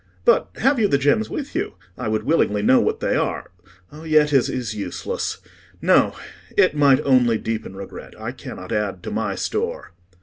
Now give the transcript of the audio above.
But have you the gems with you? I would willingly know what they are—yet it is useless: no, it might only deepen regret. I cannot add to my store."